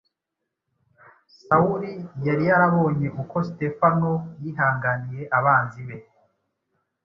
Sawuli yari yarabonye uko Sitefano yihanganiye abanzi be